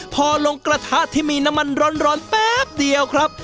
พอลงกระทะที่มีน้ำมันร้อนแป๊บเดียวครับ